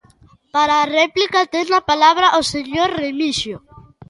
Para a réplica ten a palabra o señor Remixio.